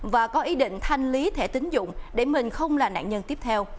và có ý định thanh lý thẻ tính dụng để mình không là nạn nhân tiếp theo